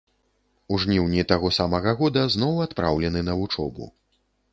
У жніўні таго самага года зноў адпраўлены на вучобу.